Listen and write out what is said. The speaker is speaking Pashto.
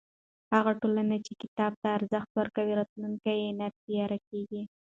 هغه ټولنه چې کتاب ته ارزښت ورکوي، راتلونکی یې نه تیاره کېږي.